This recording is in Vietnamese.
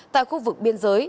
tại khu vực biên giới